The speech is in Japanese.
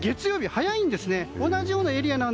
早いんですね。